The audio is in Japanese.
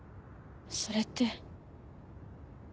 それって。